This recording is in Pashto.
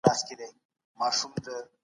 آیا خونکار پاچا رښتيا هم ظالم و؟